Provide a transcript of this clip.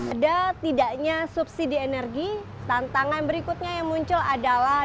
ada tidaknya subsidi energi tantangan berikutnya yang muncul adalah